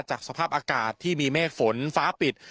สภาพอากาศที่มีเมฆฝนฟ้าปิด